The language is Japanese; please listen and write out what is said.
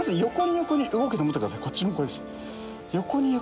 横に動け！と思ってください。